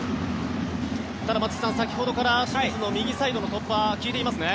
ただ、松木さん先ほどから清水の右サイドの突破効いていますね。